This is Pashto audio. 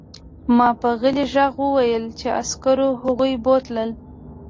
ما په غلي غږ وویل چې عسکرو هغوی بوتلل